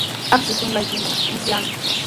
Akshuu suqanqaykita musyaami.